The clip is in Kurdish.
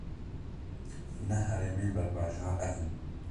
Neh heremên berbajar, ev in: